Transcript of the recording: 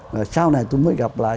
rồi sau này tôi mới gặp lại